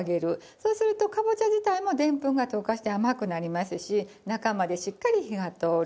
そうするとかぼちゃ自体もでんぷんが糖化して甘くなりますし中までしっかり火が通る。